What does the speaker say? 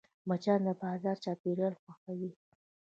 مچان د بازار چاپېریال خوښوي